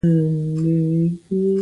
د ځان پېژندنه د ذهن ژورتیا ته نزول دی.